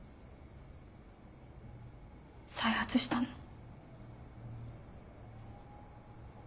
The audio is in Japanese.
再発したの？